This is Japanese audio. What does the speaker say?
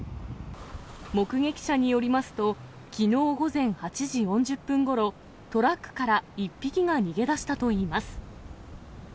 目撃者によりますと、きのう午前８時４０分ごろ、トラックから１匹が逃げ出したといいます。